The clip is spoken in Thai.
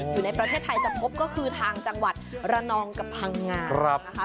อยู่ในประเทศไทยจะพบก็คือทางจังหวัดระนองกับพังงานะคะ